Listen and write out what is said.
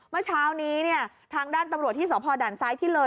เมื่อเช้านี้เนี่ยทางด้านตำรวจที่สพด่านซ้ายที่เลย